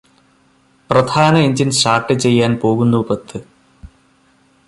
പ്രധാന engine start ചെയ്യാൻ പോകുന്നു പത്ത്